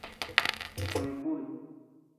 Kuè kubi.